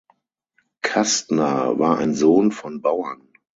Kastner war ein Sohn von Bauern.